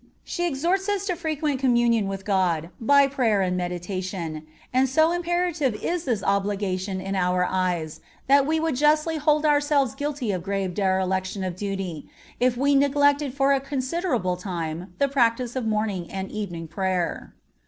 She exhorts us to frequent communion with God by prayer and meditation, and so imperative is this obligation in our eyes that we would justly hold ourselves guilty of grave dereliction of duty if we neglected for a considerable time the practice of morning and evening prayer.